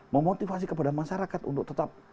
memotivasi kepada masyarakat untuk tetap